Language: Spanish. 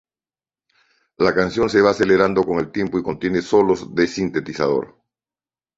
La canción se va acelerando con el tiempo y contiene solos de sintetizador.